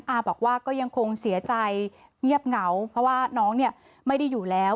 อาบอกว่าก็ยังคงเสียใจเงียบเหงาเพราะว่าน้องเนี่ยไม่ได้อยู่แล้ว